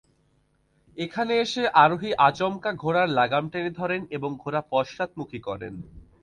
এখানে এসে আরোহী আচমকা ঘোড়ার লাগাম টেনে ধরেন এবং ঘোড়া পশ্চাৎমুখী করেন।